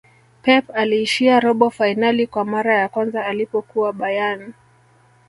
pep aliishia robo fainali kwa mara ya kwanza alipokuwa bayern